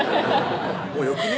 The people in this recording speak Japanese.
「もうよくね？